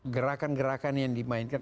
gerakan gerakan yang dimainkan